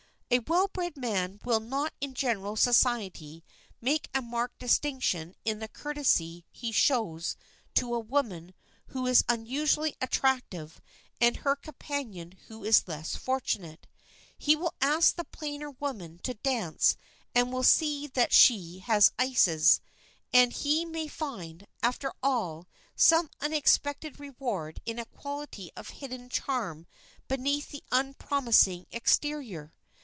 [Sidenote: THE WELL BRED MAN] A well bred man will not in general society make a marked distinction in the courtesy he shows to a woman who is unusually attractive and her companion who is less fortunate. He will ask the plainer woman to dance and will see that she has ices, and he may find, after all, some unexpected reward in a quality of hidden charm beneath the unpromising exterior.